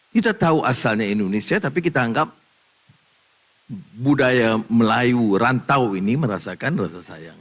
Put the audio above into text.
kita tahu asalnya indonesia tapi kita anggap budaya melayu rantau ini merasakan rasa sayang